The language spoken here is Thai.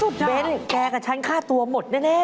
เบ้นแกกับฉันค่าตัวหมดแน่